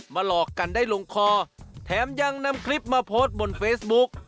หลอกกันได้ลงคอแถมยังนำคลิปมาโพสต์บนเฟซบุ๊ก